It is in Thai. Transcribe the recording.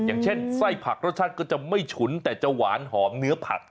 อย่างเช่นไส้ผักรสชาติก็จะไม่ฉุนแต่จะหวานหอมเนื้อผัด